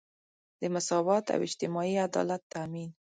د مساوات او اجتماعي عدالت تامین.